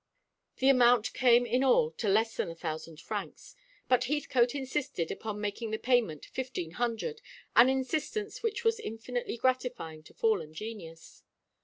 The amount came in all to less than a thousand francs, but Heathcote insisted upon making the payment fifteen hundred, an insistence which was infinitely gratifying to fallen genius.